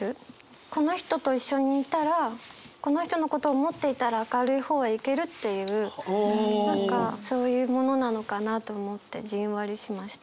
この人と一緒にいたらこの人のことを思っていたら明るい方へ行けるっていう何かそういうものなのかなと思ってじんわりしました。